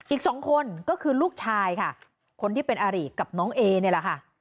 อีกสองคนก็คือลูกชายค่ะคนที่เป็นอาริกับน้องเอเนี่ยแหละค่ะ